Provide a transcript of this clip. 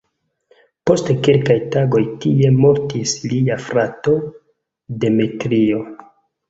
Post kelkaj tagoj tie mortis lia frato "Demetrio".